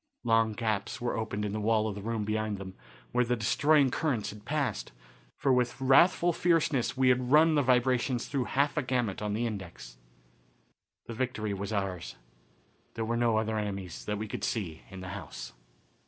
Long gaps were opened in the wall of the room behind them, where the destroying currents had passed, for with wrathful fierceness, we had run the vibrations through half a gamut on the index. The victory was ours. There were no other enemies, that we could see, in the house.